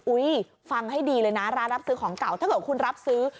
ฟังให้ดีเลยนะร้านรับซื้อของเก่าถ้าเกิดคุณรับซื้อ